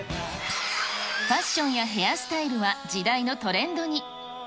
ファッションやヘアスタイルは時代のトレンドに。